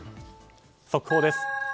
速報です。